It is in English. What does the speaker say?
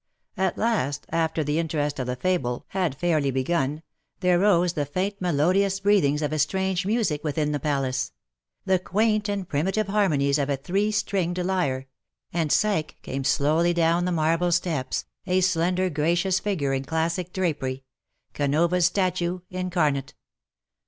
At last, after the interest of the fable had fairly 218 CUPID AND PSYCHE. begun, there rose the faint melodious breathings of a strange music within the palace — the quaint and primitive harmonies of a three stringed lyre — and Psyche came slowly down the marble steps^ a slender, gracious figure in classic drapery — Canova^s statue incarnate.